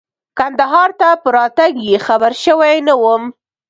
کندهار ته په راتګ یې خبر شوی نه وم.